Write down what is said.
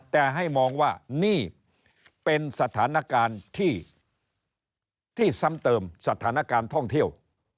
แต่ให้มองว่านี่เป็นสถานการณ์ที่ซ้ำเติมสถานการณ์ท่องเที่ยว